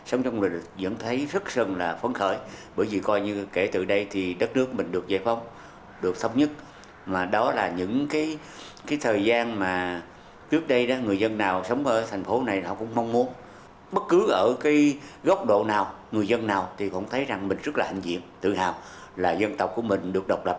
ở cái góc độ nào người dân nào thì cũng thấy rằng mình rất là hạnh diện tự hào là dân tộc của mình được độc lập